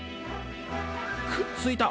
くっついた！